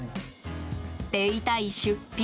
手痛い出費。